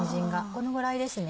このぐらいですね。